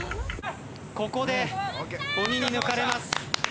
ここで鬼に抜かれます。